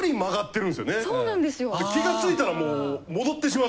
そうなんですよ。